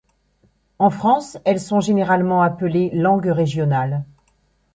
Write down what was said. En France elles sont généralement appelées langues régionales.